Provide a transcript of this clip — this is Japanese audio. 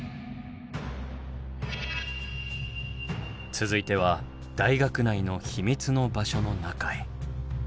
続いては大学内の秘密の場所の中へ。